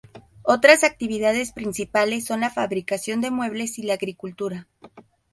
Otras actividades principales son la fabricación de muebles y la agricultura.